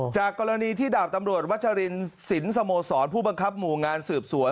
จากกรณีที่ดาบตำรวจวัชรินสินสโมสรผู้บังคับหมู่งานสืบสวน